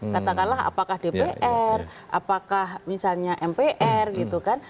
katakanlah apakah dpr apakah misalnya mpr gitu kan